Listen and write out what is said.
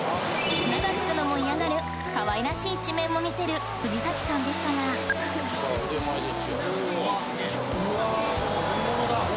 砂がつくのも嫌がるかわいらしい一面も見せる藤崎さんでしたがさあ腕前ですよ。